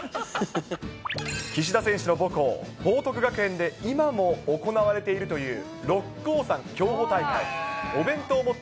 岸田選手の母校、報徳学園で今も行われているという、六甲山きょうほ大会。